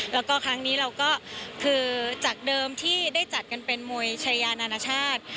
แล้วก็ครั้งนี้เราก็คือจากเดิมที่ได้จัดกันเป็นมวยชายานานาชาติ